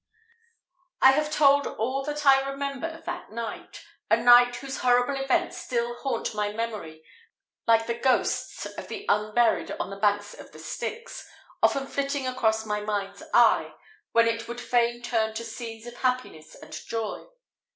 I have told all that I remember of that night, a night whose horrible events still haunt my memory like the ghosts of the unburied on the banks of Styx, often flitting across my mind's eye, when it would fain turn to scenes of happiness and joy.